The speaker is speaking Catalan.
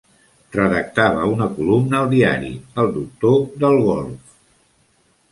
Redactava una columna al diari, El doctor del golf.